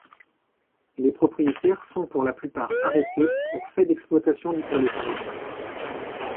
Les propriétaires sont pour la plupart arrêtés, pour faits d'exploitation du prolétariat.